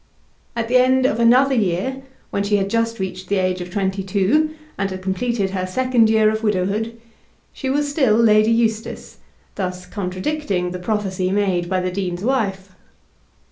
At the end of another year, when she had just reached the age of twenty two, and had completed her second year of widowhood, she was still Lady Eustace, thus contradicting the prophecy made by the dean's wife.